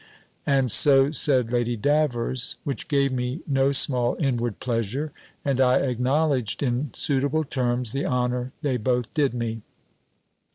And so said Lady Davers; which gave me no small inward pleasure; and I acknowledged, in suitable terms, the honour they both did me.